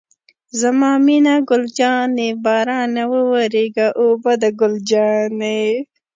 زما مینه ګل جانې، بارانه وورېږه او باده ګل جانې.